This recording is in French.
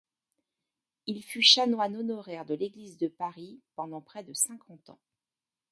Il fut chanoine honoraire de l’église de Paris pendant près de cinquante ans.